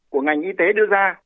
của ngành y tế đưa ra